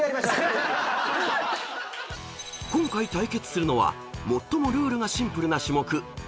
［今回対決するのは最もルールがシンプルな種目エペ］